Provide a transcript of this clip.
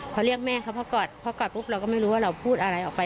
พอเรียกแม่เขาพอกอดพอกอดปุ๊บเราก็ไม่รู้ว่าเราพูดอะไรออกไป